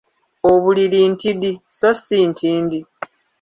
Obuliri ntidi so si ntindi.